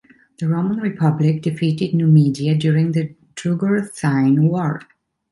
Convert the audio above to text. The Roman Republic defeated Numidia during the Jugurthine War.